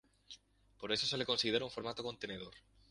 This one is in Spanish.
Por eso se le considera un formato contenedor.